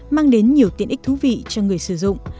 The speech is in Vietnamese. mang đến nhiều tiện ích thú vị cho người sử dụng